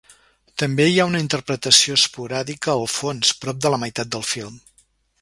També hi ha una interpretació esporàdica al fons, prop de la meitat del film.